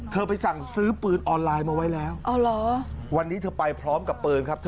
ไปสั่งซื้อปืนออนไลน์มาไว้แล้ววันนี้เธอไปพร้อมกับปืนครับ